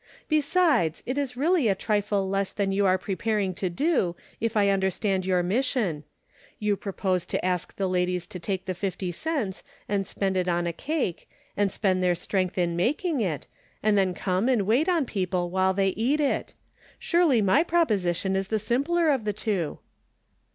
Besides it is really a trifle less than you are preparing to do, if I understand your mission. You propose to ask the ladies to take the fifty cents and spend it on a cake, and spend their strength in making it, and then come and wait on people while they eat it ! Surely my proposition is the simpler of the two."